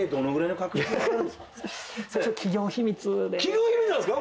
企業秘密なんですか？